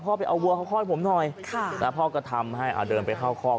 ไปเอาวัวเขาคลอดผมหน่อยพ่อก็ทำให้เดินไปเข้าคอก